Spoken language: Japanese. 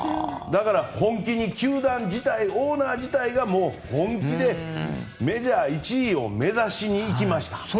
だから、球団自体オーナー自体が本気でメジャー１位を目指しにいきました。